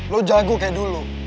lo jago kayak dulu